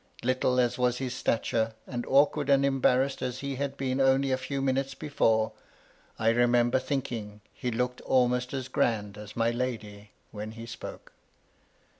Little as was his stature, and awkward and embarrassed as he had been only a few minutes before, I remember thinking he looked almost as grand as my lady when he spoke.